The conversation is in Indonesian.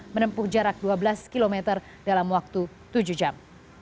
menempuh jarak dua belas km dalam waktu tujuh jam